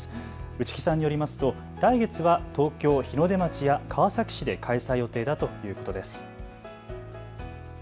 内木さんによりますと来月は東京日の出町や川崎市で開催予定だということです。